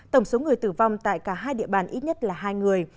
tổng số người tử vong tại cả hai địa bàn ít nhất là hai người